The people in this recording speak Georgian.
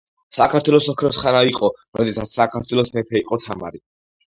საქართველოს ოქროს ხანა იყო, როდესაც საქართველოს მეფე იყო თამარი.